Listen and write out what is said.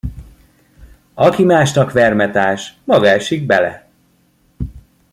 Aki másnak vermet ás, maga esik bele.